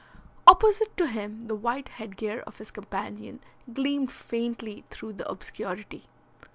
Opposite to him the white headgear of his companion gleamed faintly through the obscurity.